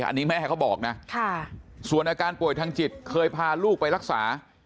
อันนี้แม่เขาบอกนะส่วนอาการป่วยทางจิตเคยพาลูกไปรักษา